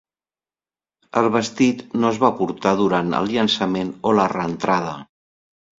El vestit no es va portar durant el llançament o la reentrada.